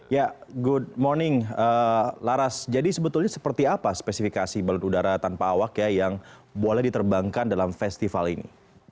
ya good morning laras jadi sebetulnya seperti apa spesifikasi balon udara tanpa awak yang boleh diterbangkan dalam festival ini